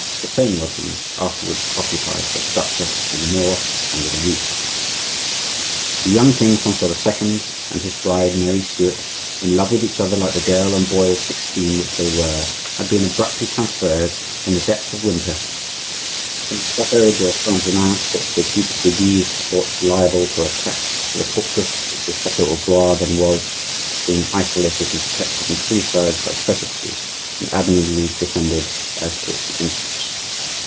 the same lodgings afterwards occupied by the Duchesse de Nemours under the roof. The young king, Francois II., and his bride Mary Stuart, in love with each other like the girl and boy of sixteen which they were, had been abruptly transferred, in the depth of winter, from the chateau de Saint Germain, which the Duc de Guise thought liable to attack, to the fortress which the chateau of Blois then was, being isolated and protected on three sides by precipices, and admirably defended as to its entrance.